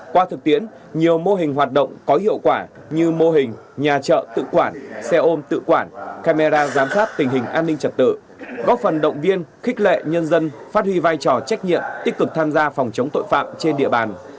qua thực tiễn nhiều mô hình hoạt động có hiệu quả như mô hình nhà trợ tự quản xe ôm tự quản camera giám sát tình hình an ninh trật tự góp phần động viên khích lệ nhân dân phát huy vai trò trách nhiệm tích cực tham gia phòng chống tội phạm trên địa bàn